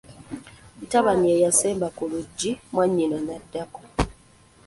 Mutabani ye yasemba ku luggi, mwanyina n'addako.